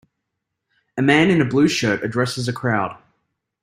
A man in a blue shirt addresses a crowd.